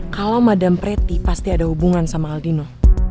kalau madam pretty pasti ada hubungan sama aldino